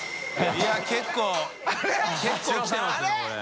い結構きてますよこれ。